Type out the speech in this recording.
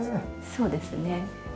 そうですね。